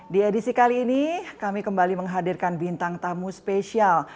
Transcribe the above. di edisi kali ini kami kembali menghadirkan bintang tamu spesial